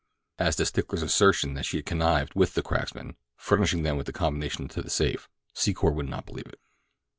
As to Stickler's assertion that she had connived with the cracksmen, furnishing them the combination to the safe, Secor would not believe it.